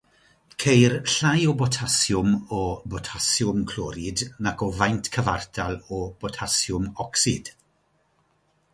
Ceir llai o botasiwm o botasiwm clorid nag o faint cyfartal o botasiwm ocsid.